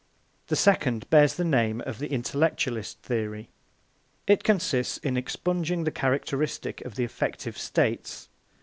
The second bears the name of the intellectualist theory. It consists in expunging the characteristic of the affective states.